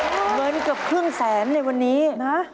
เงินเกือบครึ่งแสนในวันนี้นะ